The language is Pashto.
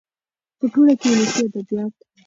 .په ټوله کې ولسي ادبيات